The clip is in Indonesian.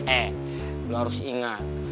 eh lu harus ingat